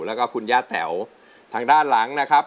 แล้วก็คุณย่าแต๋วทางด้านหลังนะครับ